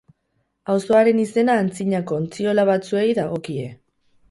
Auzoaren izena antzinako ontziola batzuei dagokie.